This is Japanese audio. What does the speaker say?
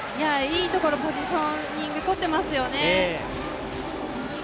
いいところ、ポジショニングとっていますよね。